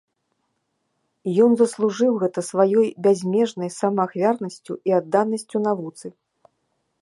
Ён заслужыў гэта сваёй бязмежнай самаахвярнасцю і адданасцю навуцы.